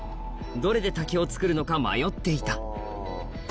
どれで滝を作るのか迷っていた